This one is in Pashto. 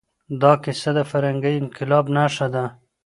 دا کیسه د فرهنګي انقلاب نښه ده.